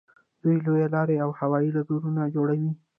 دوی لویې لارې او هوایي ډګرونه جوړوي.